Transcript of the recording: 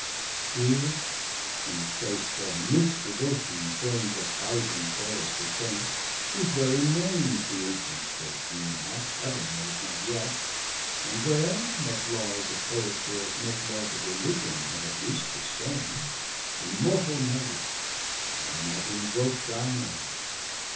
_] Here in a place, where mis devotion frames A thousand Prayers to Saints, whose very names The ancient Church knew not, Heaven knows not yet: And where, what lawes of Poetry admit, Lawes of Religion have at least the same, 515 Immortall Maide, I might invoke thy name.